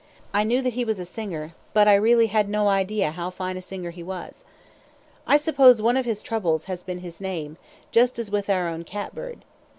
I knew that he was a singer, but I really had no idea how fine a singer he was. I suppose one of his troubles has been his name, just as with our own catbird.